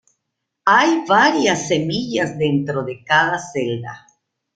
Hay varias semillas dentro de cada celda.